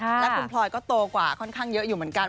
และคุณพลอยก็โตกว่าค่อนข้างเยอะอยู่เหมือนกัน